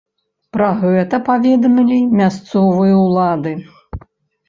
Пра гэта паведамілі мясцовыя ўлады.